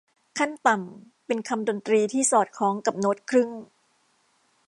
ขั้นต่ำเป็นคำดนตรีที่สอดคล้องกับโน๊ตครึ่ง